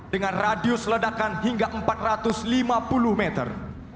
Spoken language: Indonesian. dengan radius ledakan hingga empat ratus lima puluh meter